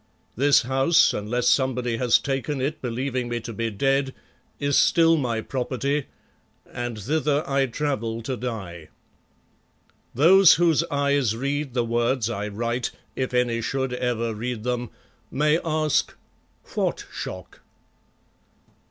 This house, unless somebody has taken it believing me to be dead, is still my property and thither I travel to die. Those whose eyes read the words I write, if any should ever read them, may ask What shock?